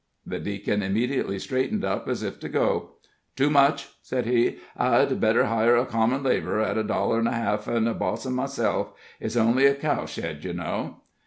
The Deacon immediately straightened up as if to go. "Too much," said he; "I'd better hire a common lab'rer at a dollar 'n a half, an' boss him myself. It's only a cow shed, ye know."